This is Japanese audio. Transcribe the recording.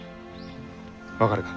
分かるか？